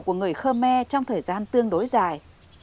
của người khmer trong thời gian tương đối dài